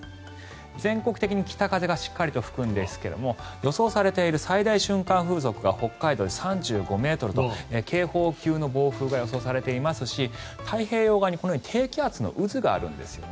全国的に北風がしっかり吹くんですが予想されている最大瞬間風速が北海道で３５ｍと警報級の暴風が予想されていますし太平洋側に低気圧の渦があるんですよね。